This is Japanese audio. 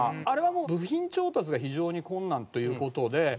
あれはもう部品調達が非常に困難という事で。